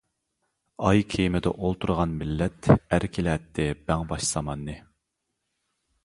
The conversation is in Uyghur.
ئاي كېمىدە ئولتۇرغان مىللەت، ئەركىلەتتى بەڭباش زاماننى.